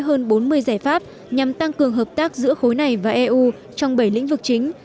hơn bốn mươi giải pháp nhằm tăng cường hợp tác giữa khối này và eu trong bảy lĩnh vực chính